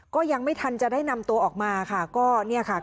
ก็ยังไม่ทันจะได้นำตัวออกมาค่ะก็เนี่ยค่ะ